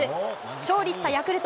勝利したヤクルト。